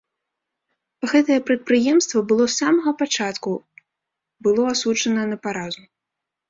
Гэтае прадпрыемства было з самага пачатку было асуджана на паразу.